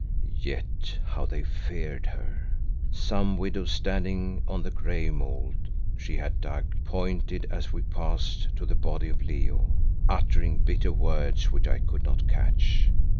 Yet how they feared her! Some widow standing on the grave mould she had dug, pointed as we passed to the body of Leo, uttering bitter words which I could not catch.